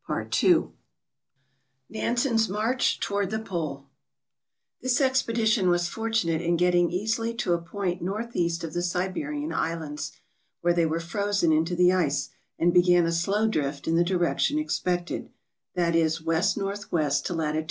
MISCELLANEOUS 461 Nansen's March toward the Pole This expedition was fortunate in getting easily to a point northeast of the Siberian islands, where they were frozen into the ice and began a slow drift in the direction expected, that is, west northwest to lat.